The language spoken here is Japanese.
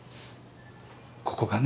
ここがね。